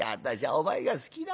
お前が好きなんだ。